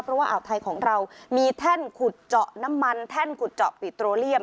เพราะว่าอ่าวไทยของเรามีแท่นขุดเจาะน้ำมันแท่นขุดเจาะปิโตเลียม